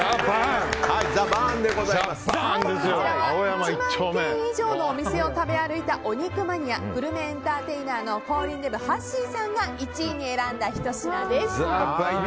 こちらは、これまで１万軒以上のお店を食べ歩いたお肉マニアグルメエンターテイナーのフォーリンデブはっしーさんが１位に選んだ、ひと品です。